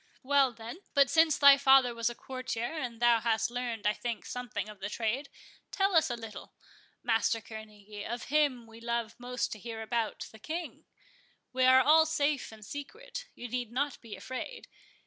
"Well, then, but since thy father was a courtier, and thou hast learned, I think, something of the trade, tell us a little, Master Kerneguy, of him we love most to hear about—the King; we are all safe and secret, you need not be afraid.